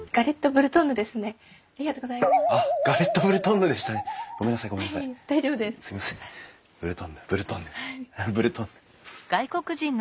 ブルトンヌブルトンヌブルトンヌ。